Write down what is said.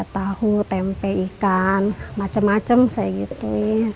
kayak tahu tempe ikan macem macem misalnya gitu